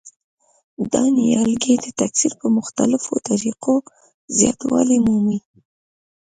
دا نیالګي د تکثیر په مختلفو طریقو زیاتوالی مومي.